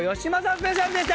スペシャルでした。